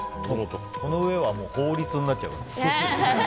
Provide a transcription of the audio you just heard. この上は法律になっちゃうから。